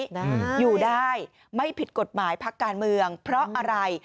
นะอยู่ได้ไม่ผิดกฎหมายพักการเมืองเพราะอะไร